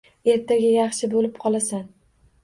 Ertaga yaxshi bo‘lib qolasan.